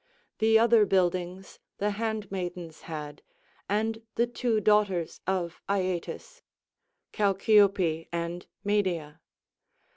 The other buildings the handmaidens had, and the two daughters of Aeetes, Chalciope and Medea.